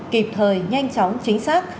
kịp thời nhanh chóng chính xác